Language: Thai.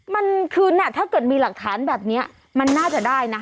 มันคือน่ะถ้าเกิดมีหลักฐานแบบนี้มันน่าจะได้นะ